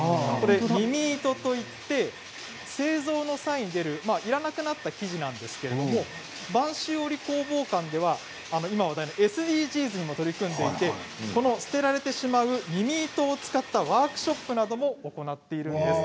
「みみ糸」といいまして製造の際に出るいらなくなった生地なんですけれど播州織工房館では今、話題のＳＤＧｓにも取り組んでいて捨てられてしまうみみ糸を使ったワークショップなども行っているんです。